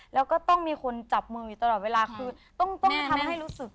แล้วก็ต้องมีคนจับมืออยู่ตลอดเวลาคือต้องทำให้รู้สึก